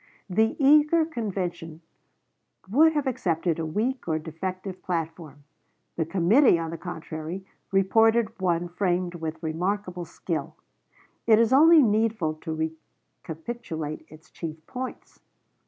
The eager convention would have accepted a weak or defective platform; the committee, on the contrary, reported one framed with remarkable skill. It is only needful to recapitulate its chief points.